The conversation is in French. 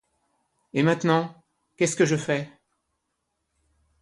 Et maintenant, qu’est-ce que je fais ?